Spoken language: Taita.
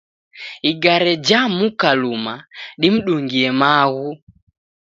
Igare jamuka luma dimdungie maghu